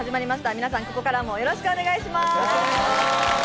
皆さんここからもよろしくお願いします。